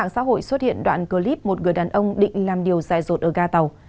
xã hội xuất hiện đoạn clip một người đàn ông định làm điều dại dột ở ga tàu